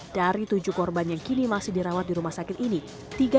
dari tujuh korban yang kini masih diperiksa